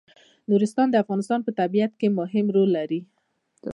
نورستان د افغانستان په طبیعت کې مهم رول لري.